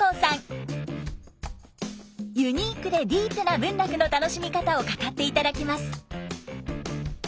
ユニークでディープな文楽の楽しみ方を語っていただきます。